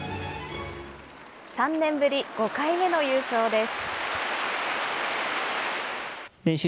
３年ぶり５回目の優勝です。